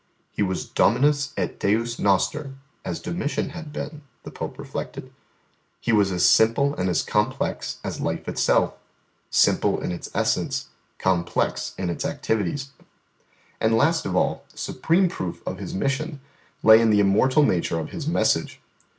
He was Dominus et Deus noster (as Domitian had been, the Pope reflected). He was as simple and as complex as life itself simple in its essence, complex in its activities. And last of all, the supreme proof of His mission lay in the immortal nature of His message.